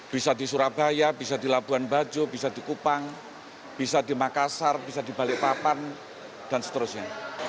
bisa di surabaya bisa di labuan bajo bisa di kupang bisa di makassar bisa di balikpapan dan seterusnya